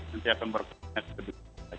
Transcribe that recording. nanti akan berkongsi